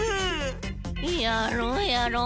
やろうやろう！